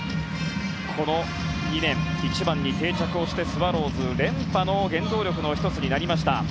この２年、１番に定着してスワローズ連覇の原動力の１つになりました。